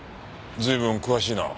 随分詳しいな。